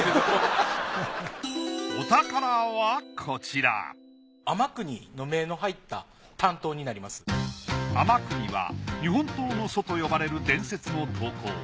お宝はこちら天國は日本刀の祖と呼ばれる伝説の刀工。